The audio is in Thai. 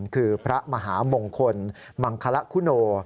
คือพระมหามงคลมังคละคุโน